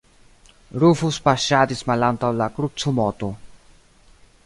Rufus paŝadis malantaŭ la krucumoto.